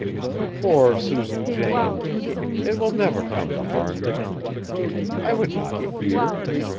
"Poor Susan Jane! It will never come to harm you. I would not fear.